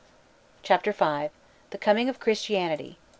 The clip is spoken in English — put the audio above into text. CHAPTER V THE COMING OF CHRISTIANITY.